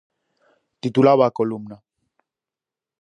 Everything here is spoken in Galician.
Titulaba a columna.